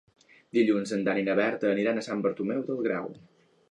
Dilluns en Dan i na Berta aniran a Sant Bartomeu del Grau.